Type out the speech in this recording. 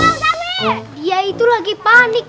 ustadz ustadz oh dia itu lagi panik